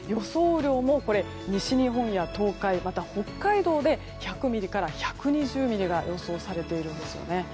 雨量も、西日本や東海または北海道で１００ミリから１２０ミリが予想されているんですね。